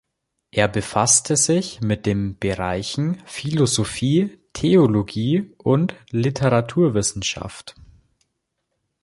Er befasste sich mit den Bereichen Philosophie, Theologie und Literaturwissenschaft.